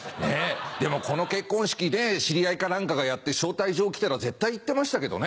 でもこの結婚式ね知り合いか何かがやって招待状来たら絶対行ってましたけどね。